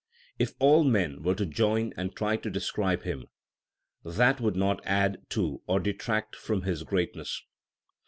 If all men were to join and try to describe Him, That would not add to or detract from His greatness.